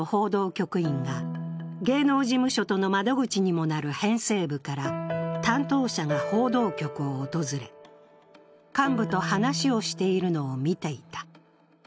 局員が芸能事務所との窓口にもなる編成部から担当者が報道局を訪れ、幹部と話をしているのを見ていた。